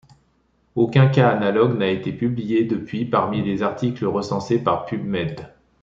Aucun cas analogue n'a été publié depuis parmi les articles recensés par PubMed.